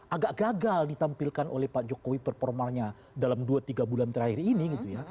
agak gagal ditampilkan oleh pak jokowi performanya dalam dua tiga bulan terakhir ini gitu ya